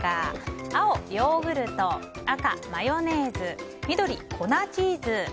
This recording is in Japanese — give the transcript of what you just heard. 青、ヨーグルト赤、マヨネーズ緑、粉チーズ。